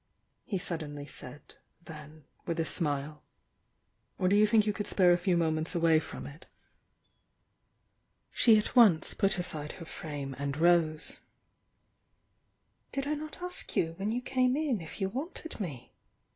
he suddenly said, then, with a smile. "Or do you think you could spare a few moments away from it?" She at once put aside her frame and rose. "Did I not ask you when you came in if you wanted mc?"